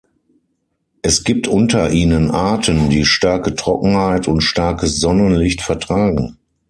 Es gibt unter ihnen Arten, die starke Trockenheit und starkes Sonnenlicht vertragen.